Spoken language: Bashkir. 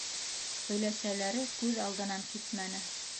Өләсәләре күҙ алдынан китмәне.